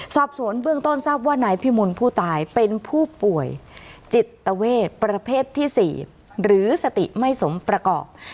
สอบสวนเบื้องต้นทราบว่านายพิมลผู้ตายเป็นผู้ป่วยจิตเวทประเภทที่๔หรือสติไม่สมประกอบ